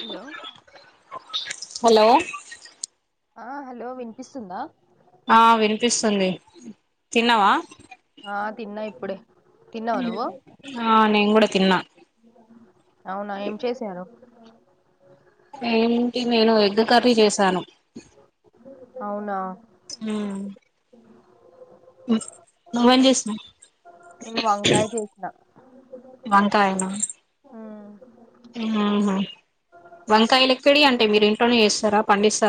Hello hello ఆ hello వినిపిస్తుందా ఆ వినిపిస్తుంది తిన్నావా ఆ తిన్న ఇప్పుడే తిన్నావు నువ్వు ఆ నేను కూడా తిన్న అవునా ఏం చేసిరు ఏంటి నేను ఎగ్ కర్రీ చేసాను అవునా ఉ నువేం చేసినవ్ నేను వంకాయ చేసిన వంకాయనా మ్మ్. ఆహా వంకాయలెక్కడియ్ అంటే మీరు ఇంట్లోనే చేస్తారా పండిస్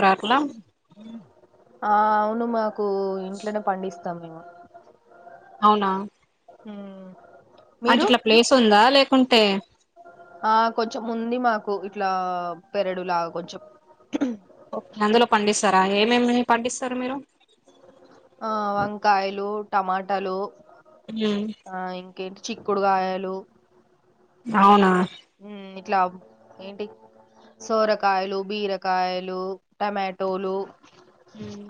ఆ అవును మాకు ఇంట్లనే పండిస్ తం మేము అవునా ఊ అంటే ఇట్ల ప్లేస్ ఉందా లేకుంటే ఆ కొంచెం ఉంది మాకు ఇట్లా పెరడులాగా కొంచెం ఓకే అందులో పండిస్తరా ఏమేమి పండిస్తరు మీరు కాయలు టమాటలు ఊ కేంటి చిక్కుడు కాయలు అవునా ఊ ఇట్ల ఏంటి సొరకాయలు బీరకాయలు టమాటోలు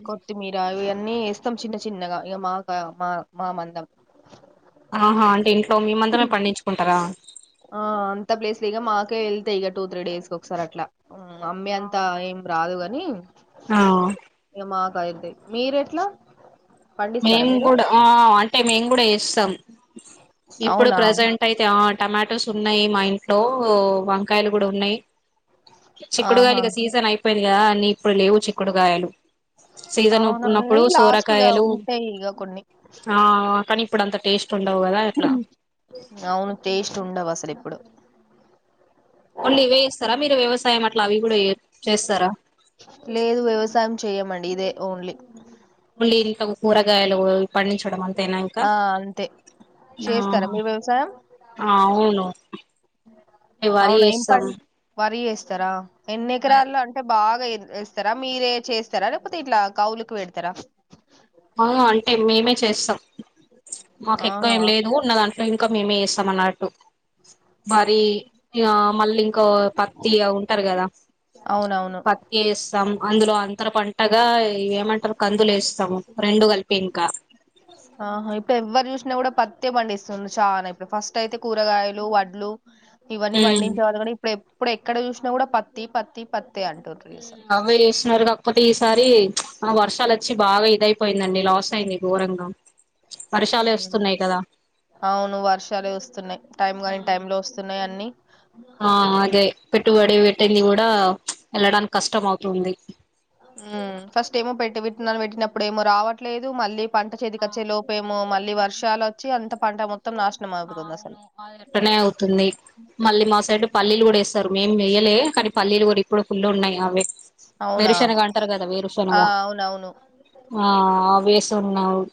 కొత్తిమీరా అవే అన్నీ ఏస్తాం చిన్న చిన్నగా ఇగ మాకా మా మా మందం ఆహా అంటే ఇంట్లో మీ మందమే పండించుకుంటరా ఆ అంత ప్లేస్ల ఇక మాకే వెళ్తాయి ఇక టూ త్రీ డేస్ కి ఒకసారి అట్ల ఊ అమ్మె అంతా అవునా ఏం రాదు గని ఆ ఇగ మాక్ పైది మీరెట్ల మేము కూడా ఆ అంటే మేము కూడా ఏస్తాం ఇప్పుడు అవునా ప్రెజెంట్ అయితే ఆ టమాటోస్ ఉన్నయి మా ఇంట్లో వంకాయలు కూడా ఉన్నాయి ఆహా చిక్కుడుగాయలిగ సీజన్ అయిపోయింది కదా అన్ని ఇప్పుడు లేవు చిక్కుడుగాయలు సీజన్ అవునవును ఒక్కున్నప్పుడు కానీ లాస్ట్ ఇక సొరకాయలు ఉంటాయి ఇక కొన్ని ఆ కానీ ఇప్పుడు అంత టేస్ట్ ఉండవు కదా అట్లా అవును టేస్ట్ ఉండవు అసలు ఇప్పుడు ఓన్లీ ఇవే ఏస్తర మీరు వ్యవస సాయం అట్ల అవి కూడా ఏ చేస్తరా లేదు వ్యవసాయం చెయ్యమండి ఇదే ఓన్లీ మళ్ళీ ఇంట్లో కూరగాయలు పండించడం అం ఆ అంతే చేస్తరా మీరు వ్యవసాయం ఆ అవును వరి అవునా ఏం చేస్తాం పం వరి ఏస్తరా ఎన్ని ఎకరాల్లో అంటే బాగ్ ఇంకా ఇం ఏస్తారా మీరే చేస్తారా లేకపోతే ఇట్లా కవులుకి పెడతారా అవును అంటే మేమే చేస్తాం మాకు ఎక్కువ ఆహా ఏం లేదు ఉన్నదం ఇంక మేమే చేస్తాం అన్నట్టు మరి ఇగ మళ్ళీ ఇంకో పత్తి ఇగ ఉంటరు కదా అవునవును పత్తేస్తాం అందులో అంతర పంటగా ఏమంటరు కందులు ఏస్తాము రెండు కలిపి ఇంకా ఆహ ఇప్పుడు ఎవరు చూసినా కూడా పత్తి పండిస్తుండ్రు చానా ఇప్పుడు ఫస్ట్ అయితే కూరగాయలు వడ్లు ఇవన్నీ ఉమ్ పండించాల కనీ ఇప్పుడు ఎప్పుడు ఎక్కడ చూసినా కూడా పత్తి పత్తి పత్తి ఊ అవ్వే చేస్తున్నారుగా ఒకటేసారి ప్చ్ ఆ వర్షాలు వచ్చి బాగా ఇదయిపోయిందండి లాస్ అయింది ఘోరంగా వర్షాలే వస్తున్నాయి కదా అవును వర్షాలే వస్తున్నయి టైం గాని టైం లో వస్తున్నయి అన్ని ఆ అదే పెట్టుబడి పెట్టింది గూడా ఎళ్ళడానికి కష్టం అవుతుంది ఉమ్ ఫస్ట్ ఏమో పెట్టె విత్తనాలు పెట్టినప్పుడేమో రావట్లేదు మళ్ళీ పంట ఆ చేతికచ్చే లోపేమో మళ్ళీ వర్షాలొచ్చి అంత పంట మొత్ అవును అది అట్టనే అవుతుంది మళ్ళీ మా సైడ్ పల్లీలు గూడ ఎత్ స్తరు మేమెయ్యలే కనీ పల్లీలు గూడ ఇప్పుడు ఫుల్ ఉన్నయి అవి అవునా వేరుశనగ అంటరు గదా ఆ వేరుశనగా అవునవును ఆ అవేసున్నావు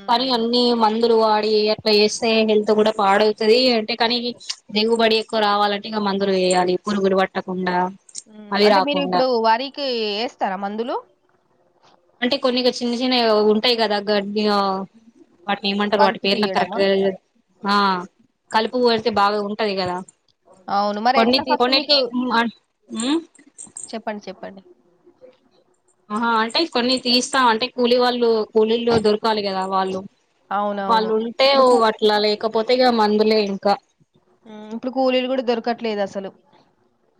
ఉహు కని అన్ని మందులు వాడ్ డి అట్ల జేస్తే హెల్త్ గుడ పాడవుతది అంటే కనీ దిగుబడి ఎక్కువ రావాలంట్ ఇగ మందులు వేయాలి పురుగులు బట్టకుండా ఉమ్ అంటే మీరిప్పుడు వరికి ఏస్తరా మందులు? నేవో ఉంటయి గదా గడ్డి ఆ వాటినేమంటరు వాటి కలుపు పెర్నక్ కరెక్ట్ తీయడమా గ తెల్వదు ఆ కలుపు గోస్తే బాగ ఉంటది గదా అవును మరి ఎట్లా కొన్నితి ఫస్ట్ మీకు కొన్నిటికి ఉమ్ ఆ చెప్పండి చెప్పండి అహా అంటే కొన్ని తీస్తాం అంటే కూలీ వాళ్ళు కూలీళ్ళు దొరకాలి గదా వాళ్ళు, అవునవును వాళ్ళు ఉంటే ఇప్పుడు కూ అట్లా లేకపోతే ఇగ మందు లే ఇంకా ఇప్పుడు కూలీలు గూడ దొరకట్లేదసలు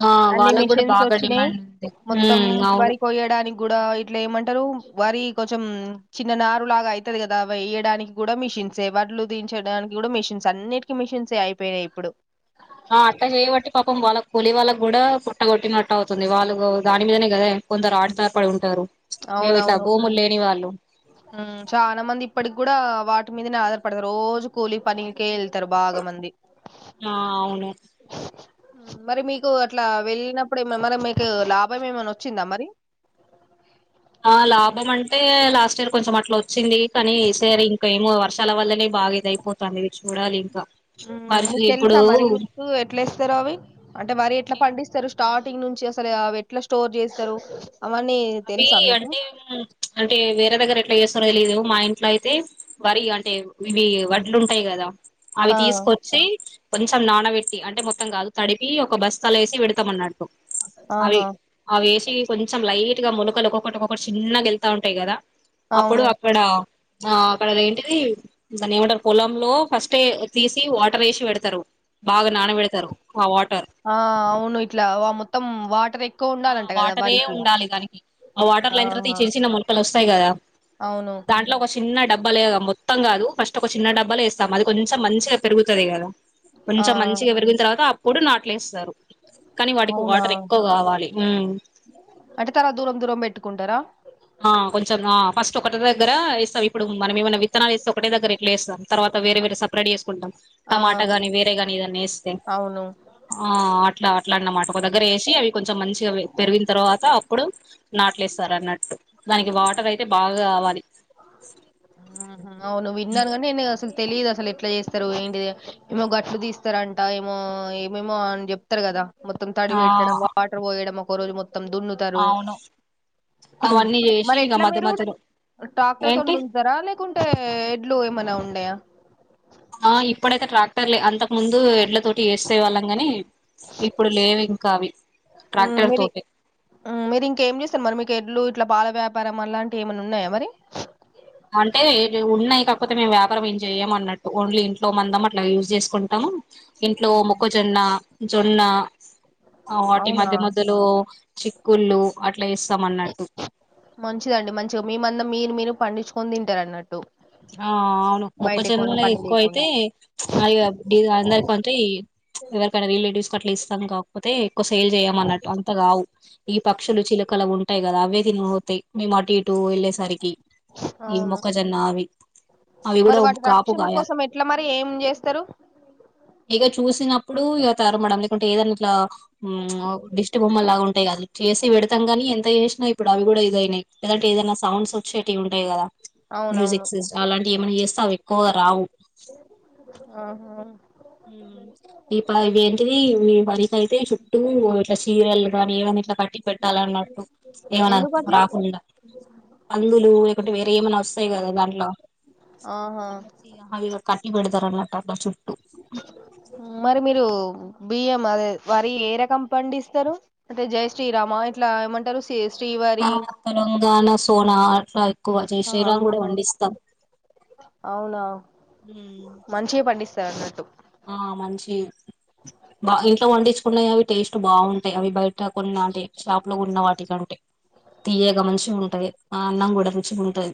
ఆ అన్ని వాళ్ళకు కూడా మిషన్స్ బాగా వచ్చినయి, డిమాండ్ ఉంది మొత్తం ఉమ్ అవును వరి కొయ్యడానికి గుడా ఇట్లెమంటరు వరి కొంచెం చిన్న నారు లాగా అయితది గదా అవెయ్యడానికి గూడ మిషన్ షిన్సే వాడ్లు దించడానికి గూడ మిషన్స్ అన్నిటికీ మిషన్సే అయిపోయినప్పుడు ఆ అట్ట చేయ్యబట్టి పాపం వాళ్ళ కూలి వాళ్ళగ్గుడా పుట్టగొట్టినట్టవుతుంది వాళ్ళు దాని మీదనే గదా కొందరు ఆడతాపడి ఉంటరు అవునవును హ్మ్ చాలా మంది ఇప్పటిగ్గుడా వాటి మీదనే ఆధారపడతరు రోజు కూలి పనికే ఎల్ తరు బాగా మంది ఆ అవును మరి మీకు అట్లా వెళ్ళినప్పుడు ఏమన మరి మీకు లాభం ఏమైనా వచ్చిందా మరి? ఆ లాభం అంటే లాస్ట్ ఇయర్ కొంచెం అట్ల ఒచ్చింది కానీసారి ఇంక ఏమో వర్ష పల వల్లనే బాగా ఇది అయిపోతాందిది చూడాలిం ఉమ్ మీకు తెలుసా మరి మీకు ఎట్లీస్తరో అవి, అంటే వరి ఎట్లా పండిస్తారు స్టార్టింగ్ నుంచి అసలు అవెట్లా స్టోర్ చేస్తరు? అవి అంటే అంటే వేరే దగ్గర ఎట్ల చేస్ త్తరో తెలిదు మా ఇంట్లో అయితే వరి అంటే ఇవి వడ్లు ఉంటాయి గదా అయి ఆ తీసుకొచ్చి కొంచెం నానబెట్టి అంటే మొత్తం కాదు తడిపి ఒక బస్తల ఏసి పెడతామన్నాడు అవి ఆహా ఆ వేసి కొంచెం లైట్ టిగా మొలకలు ఒక్కొక్కటి ఒక్కొక్కటి చిన్నగేళ్తా ఉంటయి కదా అప్పుడు అవును అక్కడ ఆ అక్కడ అదేంటిది, దాన్నేమంటరు పొలంలో ఫస్ట్ తీసి వాటరేసి పెడతరు బాగ నాన బెడతరు ఆ అవును ఇట్లా వా మొత్తం వాటర్ ఎక్ ఆ వాటరే ఉండాలి దానికి, ఆ వాటర్ లయిన తర్వాత ఈ ఆహా చిన్న చిన్న మొలకలొస్తయి గదా అవును దాంట్ల ఒక చిన్న డబ్ బ్బలేగ మొత్తం గాదు ఫస్ట్ ఒక చిన్న డబ్బలేేస్తాం అది కొంచెం మంచిగా పెరుగుతది గదా ఆ కొంచెం మంచిగా పెరిగిన్తర్వాత అప్పుడు నాట్లేస్తరు కనీ వాటికి అవునా వాటర్ ఎక్కువ గావాలి అంటే తర్వాత దూరం దూరం పెట్టుకుంటరా ఆ కొంచెం ఆ ఫస్ట్ ఒకటె దగ్గరా ఏస్తమ్, ఇప్పుడు మనం ఏమైనా విత్తనాలేస్తే ఒకటె దగ్గర ఎట్లెస్తాం తర్వాత వేరే వేరే సపరేట్ చేసుకుంటాం ఆ టమాటా గాని వేరే గాని ఇదన్న వేస్తే అవును ఆ అట్లా అట్లా అన్నమాట ఒక దగ్గర వేసి అవి కొంచెం మంచిగా పెరిగిన తర్వాత అప్పుడు నాట్లేస్తారు అన్నట్టు దానికి వాటర్ అయితే బాగా కావాలి ను విన్నాను కానీ నేను అసలు తెలీదు అసలు ఎట్లా చేస్తారు ఏంటి ఏమో గట్లు తీస్తారంట ఏమో ఏమేమో అని చెప్తారు కదా మొత్తం తడి ఆ పెట్టడం వాటర్ పోయడం ఒకరోజు మొత్ మొత్తం దున్నుతారు అవును అవన్నీ చేసి మరి ఇగ ఎట్లా మధ్య మీరు మధ్యలో టాక్టర్ తోని ఏంటి దున్నుతరా లేకుంటే ఎడ్లు ఏమైనా ఉండయా ఆ ఇప్పుడైతే ట్రాక్టర్లే అంతకు ముందు ఎడ్ల తోటి వేస్తే వాళ్ళం కాని ఇప్పుడు లేవు ఇంకా అవి ట్రాక్టర్ తోటె ఉ మీరు ఇంకేం చేస్తారు మరి మీకు ఎడ్లు ఇట్ల పాల వ్యాపారం అలాంటివి ఏమైన్నా ఉన్నాయా మరి అంటే ఉన్నాయి కాకపోతే మేము వ్యాపారం ఏం చేయమ అన్నట్టు ఓన్లీ ఇంట్లో మందం అట్లా యూజ్ చేసుకుంటాము ఇంట్లో అవును మొక్కజొన్న జొన్న ఆ వాటి అవునా మధ్య మధ్యలో చిక్కుళ్ళు అట్లా ఇస్తాం అన్నట్టు మంచిదండి మంచిగా మీమందమ్ మీరు మీరు పండించుకొని తింటారు అన్నట్టు ఆ అవును బయటకు కొనే మొక్కజొన్నలు పని ఎక్కువ అయితే లేకుండా అవి. డి అందరి అంటే ఎవరికైనా రిలేటివ్స్ క అట్లా ఇస్తాం కాకపోతే ఎక్కువ సేల్ చేయమ అన్నట్టు అంతగావు ఈ పక్షులు చిలకలు ఉంటాయి కదా అవే తినితాయి మేము అటు ఇటు వెళ్ళేసరికి ఈ అవును మొక్క జొన్న అవి అవి కూడా మరి ఒక వాటి కాపు రక్షణ కాయాలే కోసం ఎట్లా మరి ఏం చేస్తారు ఇక చూసిన ప్పుడు ఇ తారు మేడం ఎందుకంటే ఏదనా ఇలా డిస్టి బొమ్మలులాగా ఉంటాయి కద చేసి పెడతాం కానీ ఎంత చేసినా ఇప్పుడు అవి కూడా ఇదయినాయి లేదంటే ఏదైనా సౌండ్ వచ్చేటివి ఉంటాయి కదా అవునవును సెజ్ అలాంటివి ఏమైనా చేస్తే అవి ఎక్కువగా రావు ఆహా ఇ ప ఇవేంటిది మీ వరిక అయితే చుట్టూ ఇట్లా చీరలు దానీ ఏమనా ఇట్లా కట్టి పెట్టాలన్నట్టు ఏమనా ఎందుకు అట్లా రాకుండా పందులు ఎక్ ఒకటి వేరే ఏమన్నా వస్తాయి కదా దాంట్లో ఆహా అ అవి కట్ పెడతార అన్నట్ అట్ల చుట్ మరి మీరు బిఎం అదే వరి ఏ రకం పండిస్తారు అంటే జైశ్రీరామ ఇట్లా ఏమంటారు శ్రీ ఆ శ్రీవారి తెలంగాణ సోనా అట్లా ఎక్కువ జైశ్రీరాం ఆహా కూడా పండిస్తాం అవునా మంచిగా పండిస్తారు అన్నట్టు ఆ మంచి బా ఇంట్లో వండించుకున్నాయి అవి టేస్ట్ బాగుంటాయి అవి బయట్ ట కొన్నటి షాప్ లో ఉన్న వాటికంటే తీయగా మన్ చిగా ఉంటాది ఆ అన్నం కూడా గుచ్చు ఉంటాది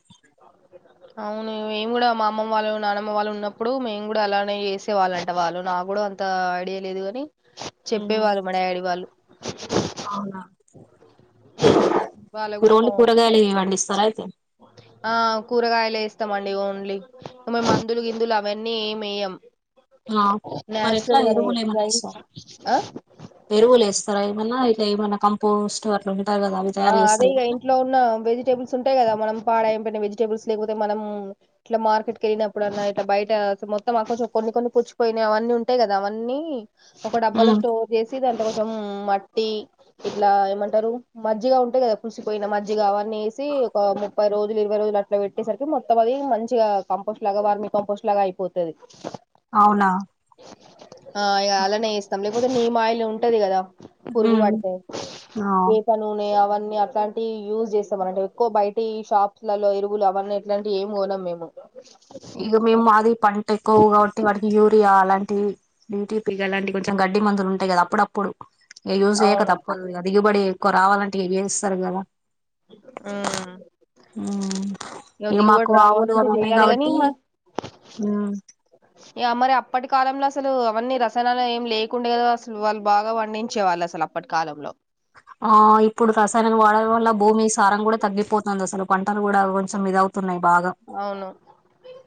అవును మేము కూడా మా అమ్మమ్మ వాళ్ళు నానమ్మ వాళ్ళు ఉన్నప్పుడు మేము కూడా అలానే ఏసే వాళ్ళంట వాళ్ళు నాకు కూడా అంత ఐడియా లేదు గానీ చెప్పేవాళ్ళు మా డాడి వాళ్ళు అవునా ఉమ్. వాళ్ళు మీరు కూడా పో ఓన్లీ కూరగాయలే పండిస్తారా అయితే ఆ కూరగాయలు వేస్తామండి ఓన్లీ మేము మందులు గిందులు అవన్నీ ఏమేయం ఆ మరి ఎట్లా ఎరువులే ఇగ ఏమన్న ఏస్తారా ఆ ఎరువులే స్తారా మల్లా ఇట్ల ఏమన్న కంపోస్ట్ అట్లా ఉంటారు కదా అవి ఆ తయారు అదే చేస్తారా ఇగ ఏమన్నా ఇంట్లో ఉన్న వెజిటేబుల్స్ ఉంటాయి కదా మనం పాడమ్ కొన్ని వెజిటబుల్స్ లేకపోతే మనం ఇట్లా మార్కెట్ కు వెళ్ళినప్పుడు అల్లా ఇట్లా బయట మొత్తం అకచో. కొన్ని కొన్ని చ్ పోయినాయి అవన్నీ ఉంటాయి కదా అవన్నీ ఒక డబ్బాలో ఉమ్, స్టోర్ చేసి దాంట్లో కొంచెం మట్టి ఇట్లా ఏమంటారు మజ్జిగా ఉంటాయి కదా పులిసిపోయిన మజ్జిగ అవన్నీ ఏసీ ఒక ముప్పై రోజులు ఇరవై రోజులు అట్లా పెట్టేసరికి మొత్తం అది మంచిగా కంపోస్ట్ లాగా వార్మీ కంపోస్ట్ లాగా అయిపోతది అవునా ఆ ఇగ అలానే వేస్తాం లేకపోతే నీమాయిలే ఉంటది కదా పురుగు ఉమ్, పడితే ఆ ఏ నూనె అవన్నీ అట్ంటి యూజ్ చేస్తామ అంటే ఎక్కువ బయటి షాప్స్ లలో ఎరువులు అవన్నీ ఎట్లాంటి ఏం పోనా మేము ఇక మేము మాదిరి పం ఎక్కువ కాబట్టి వాటికి యూరియా అలాంటి డీటిపీగా అలాంటి కొంచెం గడ్డి మందులు ఉంటాయి కదా అప్పుడప్పుడు ఏ యూజ చేయ్యాక అవును తప్పదు దిగుబడి ఎక్కువ రావాలంటే ఏం చేస్తారు కదా ఉమ్ ఇగ ఇవి మాకు దిగుబడి ఆవులు రావాలంటే ఉన్నాయి చేయాలి కాబట్టి కాని మ హ్మ్ మరి అప్పటి కాలంలో అసలు అవన్నీ రసానాలు ఏం లేకుండే కదా అసలు వాళ్ళు బాగా వండించే వాళ్ళు అసలు అప్పటి కాలంలో ఆ ఇప్పుడు రసాయననికి వాడడం వల్ల భూమి సారం కూడా తగ్గిపోతుంది అసలు పంటలు కూడా కొంచెం ఇది అవును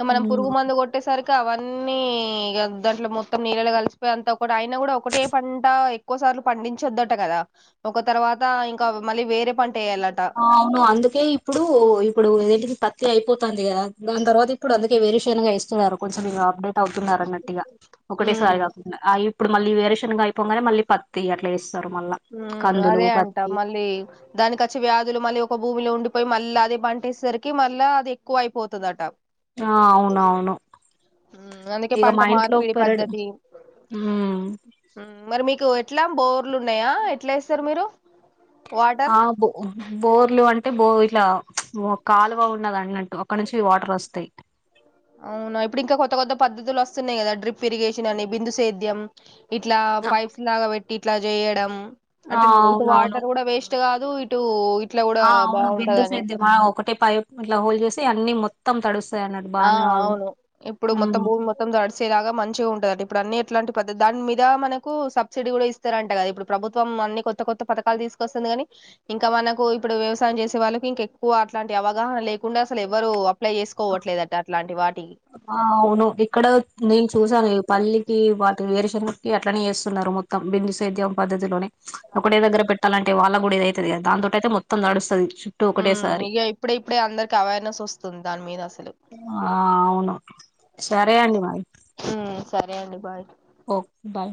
మనం పురుగు ఉమ్ మందు కొట్టేసరికి అవన్నీ దాంట్లో మొత్తం నీళ్ళలు కలిసిపోయి అంతా ఒకటి ఆయన కూడా ఒకటే పంట ఎక్కువసార్లు పండించొద్దట కదా ఒక తర్వాత ఇంకా మళ్ళీ వేరే పంట వేయాలట అవును అందుకే ఇప్పుడు ఇప్పుడు ఏంటిది ప ఇ అయిపోతుంది కదా దాని తర్వాత ఇప్పుడు అందుకే వేరు శెనగ ఏస్తున్నారు కొంచెం ఇ అప్డేట్ అవుతున్నార అన్నట్టిగా ఉమ్ ఒకటేసారి కాకుండా ఇప్పుడు మళ్ళీ వేరు శెనగా అయిపోగానే మళ్ళీ పత్తి అట్లా ఏస్తా మ్మ్ అదే అంట. మళ్ళీ దానికచ్చి వ్యాధులు మళ్ళీ ఒక భూమిలో ఉండిపోయి మళ్ళీ అదే పంటేసరికి మళ్ళ అది ఎక్కువ అయిపోతది అట ఆ అవునవును. మ్మ్ అందుకే ఇగ పంట మా ఇంట్లో మార్పిడి పెరడు పద్ధతి ఉమ్ మరి మీకు ఎట్లా బోర్లు ఉన్నాయా. ఎట్లా ఎస్తారు మీరు వాటర్ ఆ బో బోర్లు అంటే బో ఇట్లా కాలువ ఉన్నది అని అక్కడ నుంచి వాటర్ వస్తాయి. అవునా. ఇప్పుడు ఇంకా కొత్త కొత్త పద్దతులు వస్తున్నాయి కదా. డ్రిప్ ఇరిగేషన్ అని బిందుసేద్యం. ఇట్లా పైప్స్ లాగా పెట్టి ఇట్లా చేయడం. ఆ అంటే ఇటు అవునవును వాటర్ కూడా వేస్ట్ కాదు ఇటు ఇట్లా కూడా ఆ అవును బిందు బాగుంటదని సేద్యం ఒకటే పై ఇట్లా హోల్ చేసి అన్ని మొత్తం తడుస్తాయి అన్నట్టు ఆ బానే అవును ఇప్పుడు మొత్తం ఉమ్ భూమి మొత్తం దడిసేలాగా మంచిగా ఉంటదంట ఇప్పుడు అన్ని ఎట్లాంటి పద్ధతి దాని మీద మనకు సబ్సిడీ కూడా ఇస్తారు అంటే కదా ఇప్పుడు ప్రభుత్వం అన్ని కొత్త కొత్త పథకాలు తీ తీసుకొస్తుంది కాని, ఇంకా మనకు ఇప్పుడు వ్యవసాయం చేసే వాళ్ళకి ఇంక ఎక్కువ అట్లాంటి అవగాహన లేకుండా అసలు ఎవరు అప్లై చేసుకోవట్లేదట అలాంటి వా ఆ అవును ఇక్కడ నేను చూసాను. పల్లికి వాటి వేరు శనకి అట్లనే చేస్తున్నారు మొత్తం బిందు సెద్యం పద్ధతిలోనే ఒకటే దగ్గర పెట్టాలంటే వాళ్ళకి కూడా ఇది అయితది కదా దాంతో అయితే మొత్తం తడుస్తది మ్మ్ ఇగ ఇప్పుడు ఇప్పుడే అందరికి అవేర్నెస్ వస్తుంది. దాని మీద అసలు ఆ అవును సరే అండి మరి ఉమ్ సరే అండి బాయ్ ఓకే బాయ్.